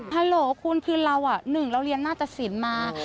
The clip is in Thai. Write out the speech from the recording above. ฮัลโหลคุณคือเราหนึ่งเราเรียนหน้าตสินมา